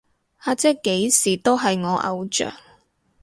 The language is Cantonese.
阿姐幾時都係我偶像